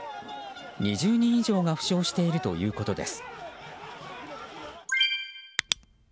２０人以上が負傷しているということです。